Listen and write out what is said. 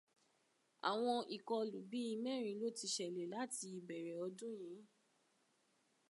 Àwọn ìkọlù bíi mẹ́rin ló ti ṣẹlẹ̀ láti ìbẹ̀rẹ̀ ọdún yìí